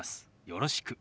「よろしく」。